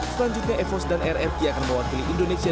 selanjutnya evos dan rrq akan membawa pilih indonesia